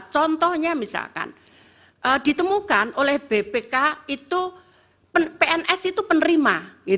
contohnya misalkan ditemukan oleh bpk itu pns itu penerima